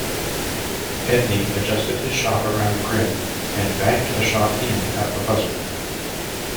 Edney adjusted his shot around Grimm, and banked the shot in at the buzzer.